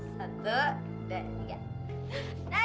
satu dua tiga dadah